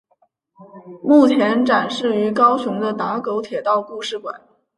目前展示于高雄的打狗铁道故事馆。